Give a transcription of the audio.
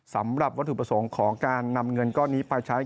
สำหรับวัตถุประสงค์ของการนำเงินก้อนนี้ไปใช้